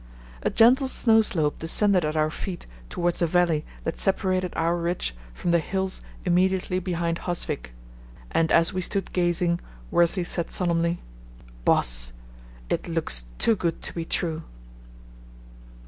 A gentle snow slope descended at our feet towards a valley that separated our ridge from the hills immediately behind Husvik, and as we stood gazing Worsley said solemnly, "Boss, it looks too good to be true!"